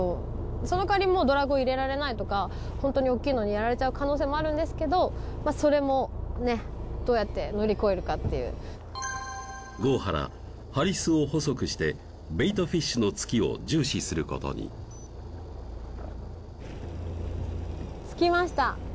そのかわりもうドラグを入れられないとかホントに大っきいのにやられちゃう可能性もあるんですけどまぁそれもねどうやって乗り越えるかっていう郷原ハリスを細くしてベイトフィッシュの付きを重視することに付いた！？